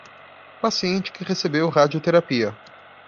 Paciente que recebeu radioterapia